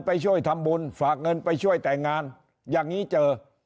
ไปช่วยทำบุญฝากเงินไปช่วยแต่งงานอย่างนี้เจอ